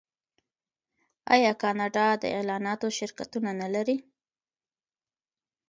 آیا کاناډا د اعلاناتو شرکتونه نلري؟